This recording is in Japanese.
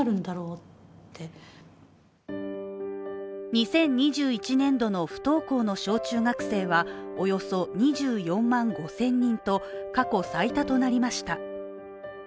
２０２１年度の不登校の小中学生はおよそ２４万５０００人と、過去最多となりました。